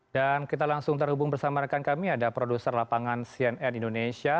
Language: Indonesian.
dan kita langsung terhubung bersama rekan kami ada produser lapangan cnn indonesia